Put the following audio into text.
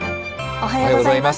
おはようございます。